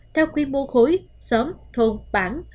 theo quy mô khối xóm thôn bản